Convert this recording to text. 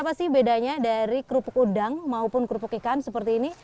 apa sih bedanya dari kerupuk udang maupun kerupuk ikan seperti ini